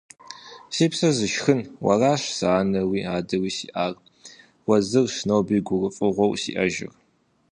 Си псэр зышхын, уэращ сэ анэуи адэуи сиӏар. Уэ зырщ ноби гурыфӏыгъуэу сиӏэжыр.